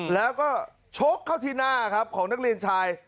แล้วก็ชกเข้าที่หน้าครับของนักเรียนชาย